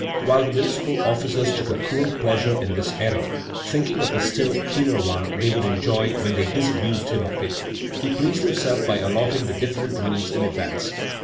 While the municipal officers took a cruel pleasure in this error, thinking of the still keener one they would enjoy when they disabused him of it, he pleased himself by allotting the different rooms in advance.